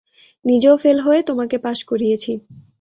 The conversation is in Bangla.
নিজেও ফেল হয়ে তোমাকে পাশ করিয়েছি।